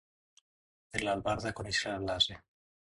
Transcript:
Per l'albarda coneixeràs l'ase.